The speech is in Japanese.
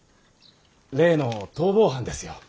例の逃亡犯ですよ。